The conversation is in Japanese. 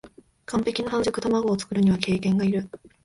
完璧な半熟たまごを作るには経験がいる